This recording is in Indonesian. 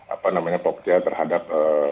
apa namanya pogja terhadap